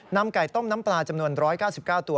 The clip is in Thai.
ไก่ต้มน้ำปลาจำนวน๑๙๙ตัว